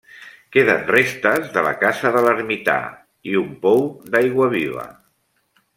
Queden restes de la casa de l'ermità i un pou d'aigua viva.